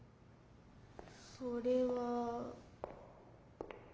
それは。